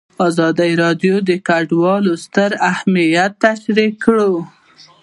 ازادي راډیو د کډوال ستر اهميت تشریح کړی.